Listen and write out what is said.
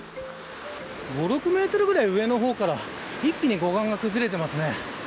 ５、６メートルぐらい上の方から一気に護岸が崩れていますね。